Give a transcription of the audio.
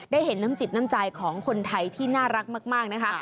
เห็นน้ำจิตน้ำใจของคนไทยที่น่ารักมากนะคะ